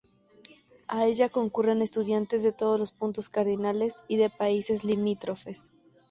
A ella concurren estudiantes de todos los puntos cardinales y de países limítrofes.